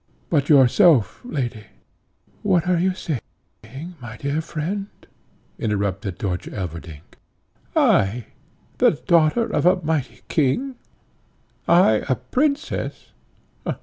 But yourself, lady, " "What are you saying, my fair friend?" interrupted Dörtje Elverdink; "I the daughter of a mighty king? I a princess?